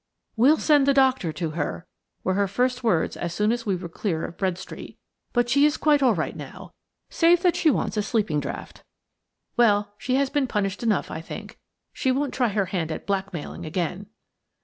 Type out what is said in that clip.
"We'll send a doctor to her," were her first words as soon as we were clear of Bread Street. "But she is quite all right now, save that she wants a sleeping draught. Well, she has been punished enough, I think. She won't try her hand at blackmailing again."